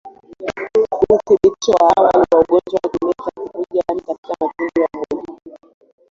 Uthibitisho wa awali wa ugonjwa wa kimeta ni kuvuja damu katima matundu ya mwili